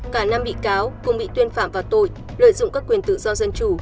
cả năm bị cáo cùng bị tuyên phạm vào tội lợi dụng các quyền tự do dân chủ